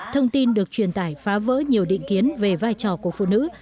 thông tin được truyền tải phá vỡ nhiều định kiến về vai trò của phụ nữ